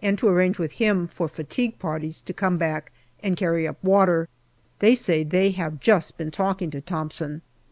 and to arrange with him for fatigue parties to come back and carry up water. They say they have just been talking to Thomson.